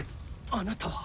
あなたは。